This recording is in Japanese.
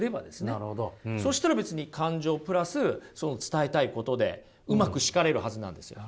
そしたら別に感情プラスその伝えたいことでうまく叱れるはずなんですよ。